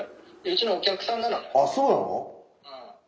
あっそうなの？